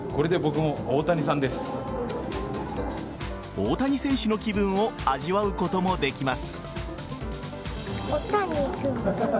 大谷選手の気分を味わうこともできます。